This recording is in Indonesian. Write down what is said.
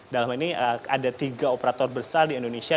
dalam ini ada tiga operator besar di indonesia